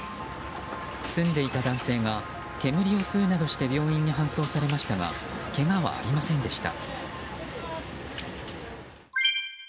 住んでいた男性が煙を吸うなどして病院に搬送されましたがけがはありませんでした。